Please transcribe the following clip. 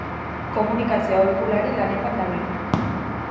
Komunikazio aholkulari lanetan dabil.